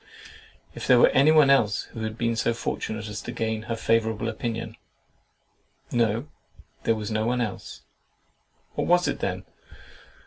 "If there was any one else who had been so fortunate as to gain her favourable opinion?"—"No, there was no one else." "What was it then?